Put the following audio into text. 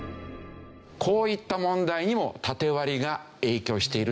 こういった問題にもタテ割りが影響しているといわれていますね。